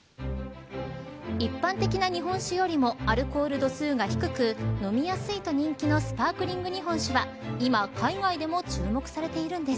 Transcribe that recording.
一般的な日本酒よりもアルコール度数が低く飲みやすいと人気のスパークリング日本酒は今、海外でも注目されているんです。